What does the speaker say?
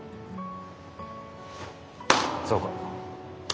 そうか。